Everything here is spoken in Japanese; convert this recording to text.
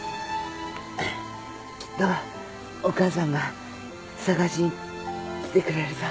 きっとお母さんが捜しに来てくれるさ。